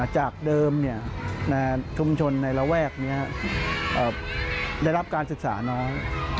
จากเดิมชุมชนในระแวกนี้ได้รับการศึกษาน้อย